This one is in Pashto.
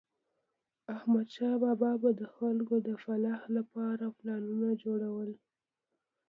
احمدشاه بابا به د خلکو د فلاح لپاره پلانونه جوړول.